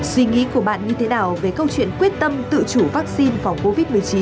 suy nghĩ của bạn như thế nào về câu chuyện quyết tâm tự chủ vaccine phòng covid một mươi chín